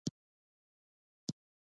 خوړل د نعماتو پېژندنه ده